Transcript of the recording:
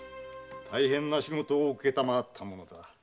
大変な仕事を承ったものだ。